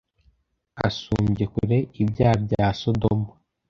asumbye kure ibyaha bya Sodoma,